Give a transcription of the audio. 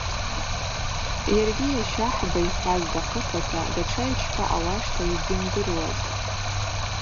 Йаргьи йащахӏба йхӏваз дахъыпата датша йчпа ауашта йгьйымдыруазтӏ.